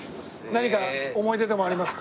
何か思い出でもありますか？